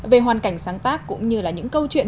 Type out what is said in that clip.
về hoàn cảnh sáng tác cũng như là những câu chuyện